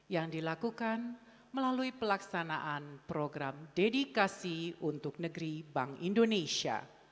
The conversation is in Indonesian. yang dilakukan melalui pelaksanaan program dedikasi untuk negeri bank indonesia